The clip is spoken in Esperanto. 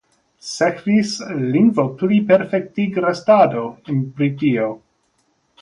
Sekvis lingvopliperfektigrestado en Britio.